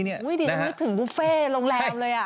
ไม่ถึงบุฟเฟ่โรงแรมเลย